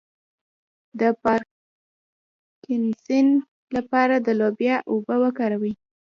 د پارکینسن لپاره د لوبیا اوبه وکاروئ